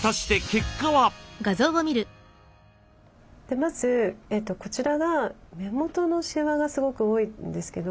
まずこちらが目元のしわがすごく多いんですけど。